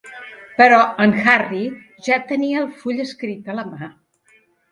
Però en Harry ja tenia el full escrit a la mà.